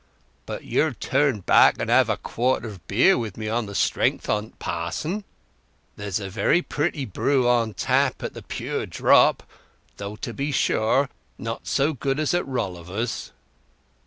"But you'll turn back and have a quart of beer wi' me on the strength o't, Pa'son Tringham? There's a very pretty brew in tap at The Pure Drop—though, to be sure, not so good as at Rolliver's."